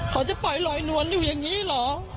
เขาจะปล่อยลอยนวลอยู่อย่างนี้เหรอ